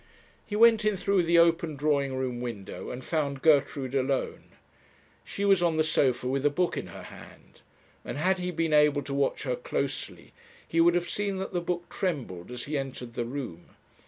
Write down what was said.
He went in through the open drawing room window, and found Gertrude alone. She was on the sofa with a book in her hand; and had he been able to watch her closely he would have seen that the book trembled as he entered the room.